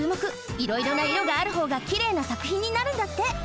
いろいろないろがあるほうがきれいなさくひんになるんだって。